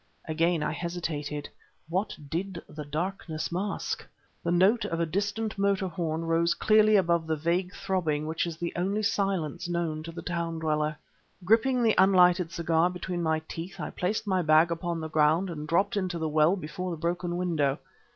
Again I hesitated. What did the darkness mask? The note of a distant motor horn rose clearly above the vague throbbing which is the only silence known to the town dweller. Gripping the unlighted cigar between my teeth, I placed my bag upon the ground and dropped into the well before the broken window.